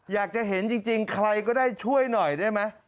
อยากจะเห็นจริงใครก็ได้ช่วยหน่อยได้ไหม